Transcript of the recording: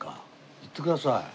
言ってください。